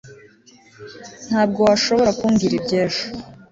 ntabwo washobora kumbwira iby'ejo